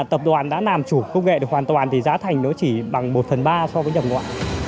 vì tập đoàn đã nàm chủ công nghệ được hoàn toàn thì giá thành nó chỉ bằng một phần ba so với nhầm ngoại